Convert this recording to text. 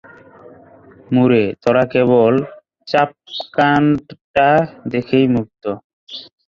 মুঢ়ে, তোরা কেবল চাপকানটা দেখেই মুগ্ধ!